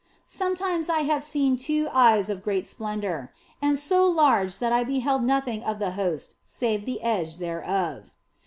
Sometimes I have seen two eyes of great splendour, and so large that I beheld nothing of the Host save the edge thereof.